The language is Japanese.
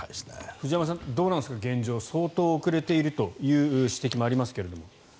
藤山さん、どうなんですか現状相当、遅れているという指摘もありますけれど。